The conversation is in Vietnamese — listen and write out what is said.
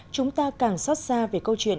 chúng ta càng xót xa về câu chuyện